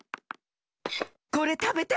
これたべて！